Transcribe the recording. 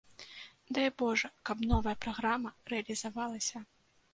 Дай божа, каб новая праграма рэалізавалася.